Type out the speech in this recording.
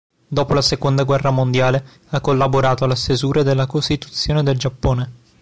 Dopo la seconda guerra mondiale ha collaborato alla stesura della costituzione del Giappone.